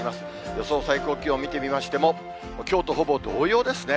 予想最高気温見てみましても、きょうとほぼ同様ですね。